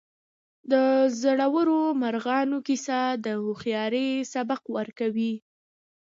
د زړورو مارغانو کیسه د هوښیارۍ سبق ورکوي.